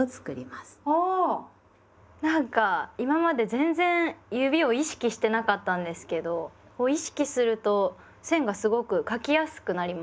なんか今まで全然指を意識してなかったんですけど意識すると線がすごく書きやすくなりました。